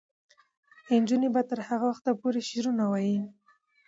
نجونې به تر هغه وخته پورې شعرونه وايي.